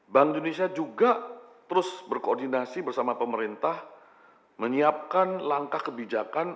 bank indonesia juga terus berkoordinasi bersama pemerintah menyiapkan langkah kebijakan